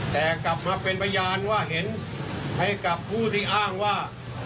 แต่กลับมาเป็นพยานว่าเห็นให้กับผู้ที่อ้างว่า